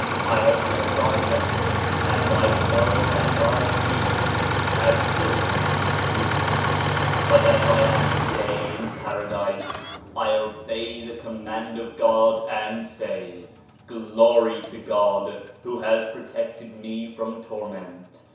I have read thy letter, and thy sorrow and thy tears have filled me with grief! But as I am to day in Paradise, I obey the command of God and say : Glory to God who has protected me from tor ment